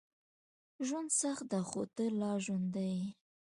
ژوند سخت ده، خو ته لا ژوندی یې.